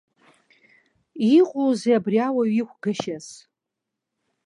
Иҟоузеи абри ауаҩ иқәгашьас?